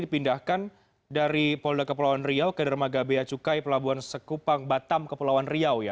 dipindahkan dari polda kepulauan riau ke dermaga bea cukai pelabuhan sekupang batam kepulauan riau ya